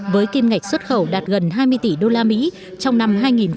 với kim ngạch xuất khẩu đạt gần hai mươi tỷ đô la mỹ trong năm hai nghìn một mươi tám